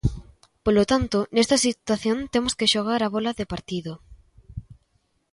Polo tanto, nesta situación temos que xogar a bóla de partido.